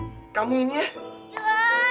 zeta kamu nih jahat tau gak